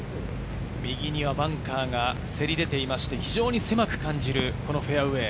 右にはバンカーがせり出ていて、非常に狭く感じる、このフェアウエー。